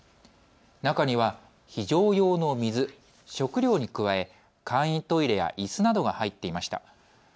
中には非常用の水、食料に加え簡易トイレやいすなどが入っていました。